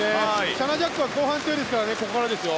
シャナ・ジャックは後半強いですからここからですよ。